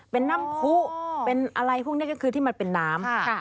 เป็นน้ำผู้เป็นอะไรพวกนี้ก็คือที่มันเป็นน้ำ